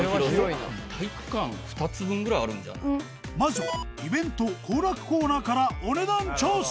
まずはイベント・行楽コーナーからお値段調査！